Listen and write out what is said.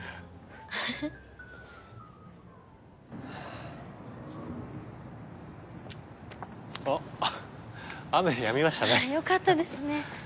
フフフッあっ雨やみましたねよかったですね